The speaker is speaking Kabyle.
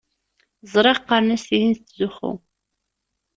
Ẓriɣ qqaren-as tihin tettzuxxu.